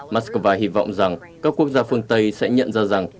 moscow hy vọng rằng các quốc gia phương tây sẽ nhận ra rằng